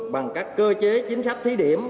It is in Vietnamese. bằng các cơ chế chính sách thí điểm